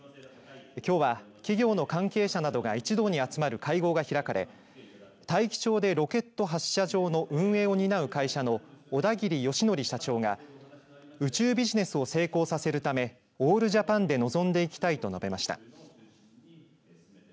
きょうは企業の関係者などが一堂に集まる会合が開かれ大樹町でロケット発射場の運営を担う会社の小田切義憲社長が宇宙ビジネスを成功させるためオールジャパンで臨んでいきたいと述べました。